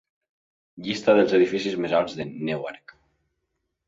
Llista dels edificis més alts de Newark.